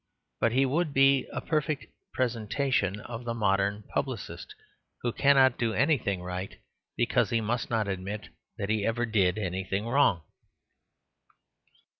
But he would be a perfect presentation of the modern publicist, who cannot do anything right, because he must not admit that he ever did anything wrong.